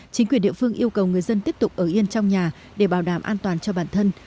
chính quyền địa phương yêu cầu người dân tiếp tục ở yên trong nhà để bảo đảm an toàn cho bản thân